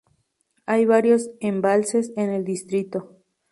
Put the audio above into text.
Hay varios embalses en el distrito.